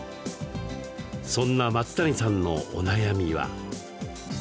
そんな松谷さんのお悩みは。